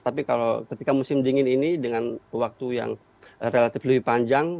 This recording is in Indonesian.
tapi kalau ketika musim dingin ini dengan waktu yang relatif lebih panjang